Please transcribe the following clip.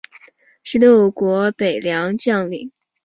十六国北凉将领。